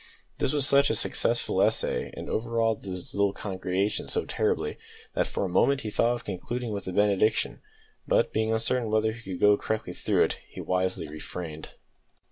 This was such a successful essay, and overawed his little congregation so terribly, that for a moment he thought of concluding with the benediction; but, being uncertain whether he could go correctly through it, he wisely refrained.